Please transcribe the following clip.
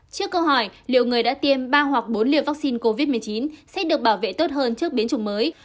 trước câu hỏi liệu người đã tiêm ba hoặc bốn liều vaccine covid một mươi chín sẽ được bảo vệ tốt hơn trước biến chủng mới